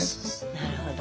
なるほど。